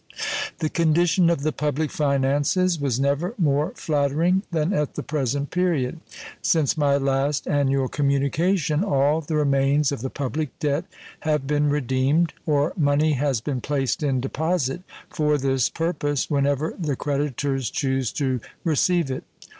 The condition of the public finances was never more flattering than at the present period. Since my last annual communication all the remains of the public debt have been redeemed, or money has been placed in deposit for this purpose when ever the creditors choose to receive it.